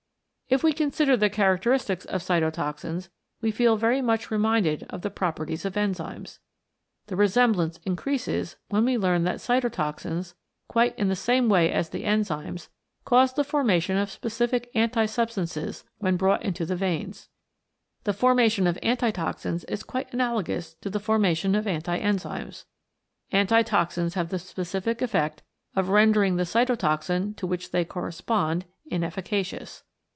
If we consider the characteristics of cyto toxins we feel very much reminded of the proper ties of enzymes. The resemblance increases when we learn that cytotoxins, quite in the same way as 128 CHEMICAL ACTIONS : PROTOPLASM the enzymes, cause the formation of specific anti substances when brought into the veins. The formation of Antitoxins is quite analogous to the formation of anti enzymes. Antitoxins have the specific effect of rendering the Cytotoxin, to which they correspond, inefficacious.